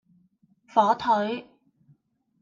火腿